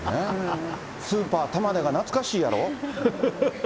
スーパーたまねが懐かしいやろ。